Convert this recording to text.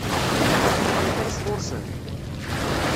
Tebɣam kra sɣur-sen?